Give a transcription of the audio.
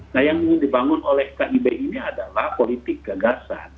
nah yang ingin dibangun oleh kib ini adalah politik gagasan